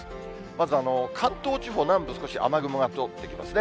まず、関東地方南部、少し雨雲が通っていきますね。